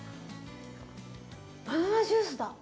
バナナジュースだ！